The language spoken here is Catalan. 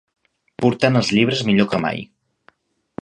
Portant els llibres millor que mai